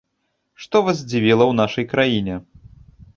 Што вас здзівіла ў нашай краіне?